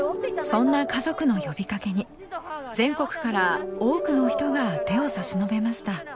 そんな家族の呼びかけに全国から多くの人が手を差し伸べました。